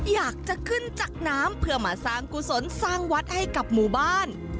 อยากจะขึ้นจากน้ำเพื่อมาสร้างกุศลสร้างวัดให้กับหมู่บ้าน